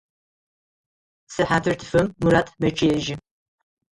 Сыхьатыр тфым Мурат мэчъыежьы.